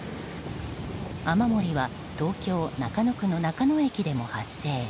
雨漏りは東京・中野区の中野駅でも発生。